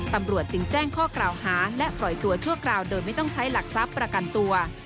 ตำรวจจึงแจ้งข้อกล่าวหาและปล่อยตัวชั่วคราวโดยไม่ต้องใช้หลักทรัพย์ประกันตัว